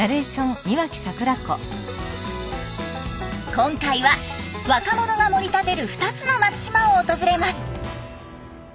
今回は若者が盛り立てる２つの松島を訪れます。